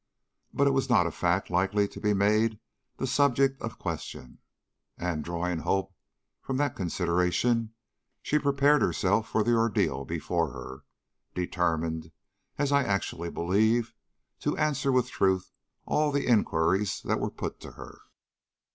But it was not a fact likely to be made the subject of question, and drawing hope from that consideration, she prepared herself for the ordeal before her, determined, as I actually believe, to answer with truth all the inquiries that were put to her.